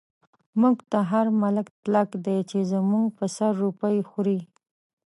موږ ته هر ملک تلک دی، چۍ زموږ په سر روپۍ خوری